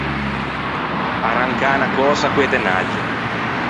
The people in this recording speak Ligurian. Arrancâ unna cösa co-e tenagge.